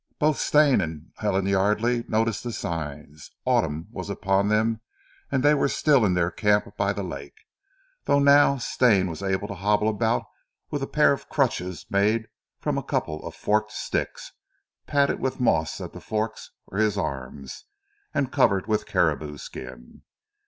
Both Stane and Helen Yardely noticed the signs. Autumn was upon them and they were still in their camp by the lake, though now Stane was able to hobble about with a pair of crutches made from a couple of forked sticks, padded with moss at the forks for his arms, and covered with caribou skin.